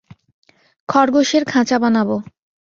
খরগোশের খাঁচা বানাব।